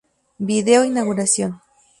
Vídeo Inauguración